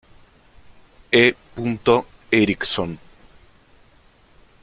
E. Eriksson.